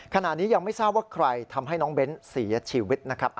ขณะนี้ยังไม่ทราบว่าใครทำให้น้องเบ้นเสียชีวิตนะครับ